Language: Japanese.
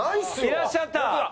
いらっしゃった。